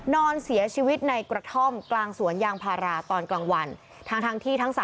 นอนเสียชีวิตในกระท่อมกลางสวนยางพาราตอนกลางวัน